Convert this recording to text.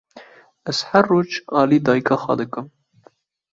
Ez her roj alî dayîka xwe dikim.